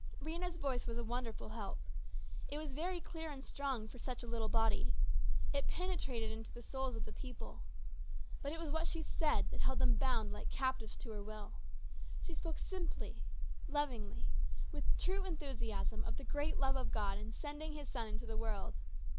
Rhena's voice was a wonderful help. It was very clear and strong for such a little body. It penetrated into the souls of the people. But it was what she said that held them bound like captives to her will. She spoke simply, lovingly, with true enthusiasm of the great love of God in sending His Son into the world.